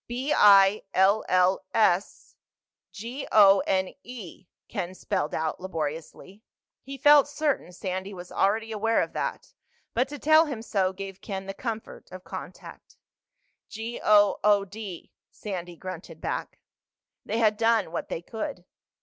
"B I L L S G O N E," Ken spelled out laboriously. He felt certain Sandy was already aware of that, but to tell him so gave Ken the comfort of contact. "G O O D," Sandy grunted back. They had done what they could.